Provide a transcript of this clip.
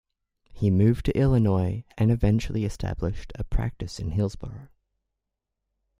He moved to Illinois and eventually established a practice in Hillsboro.